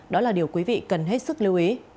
đó là điều quý vị cần hết sức lưu ý